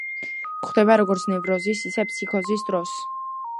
გვხვდება როგორც ნევროზის, ისე ფსიქოზის დროს.